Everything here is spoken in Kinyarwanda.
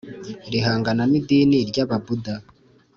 rihangana n’idini ry’ababuda